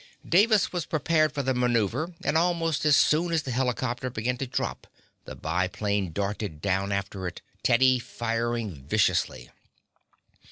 Davis was prepared for the maneuver, and almost as soon as the helicopter began to drop the biplane darted down after it, Teddy firing viciously.